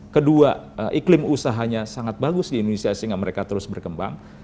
kedua iklim usahanya sangat bagus di indonesia sehingga mereka terus berkembang